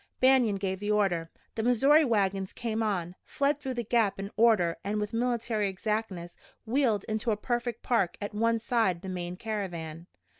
Banion gave the order. The Missouri wagons came on, filed through the gap in order and with military exactness wheeled into a perfect park at one side the main caravan.